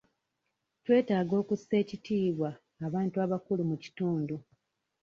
Twetaaga okussa ekitiibwa abantu abakulu mu kitundu.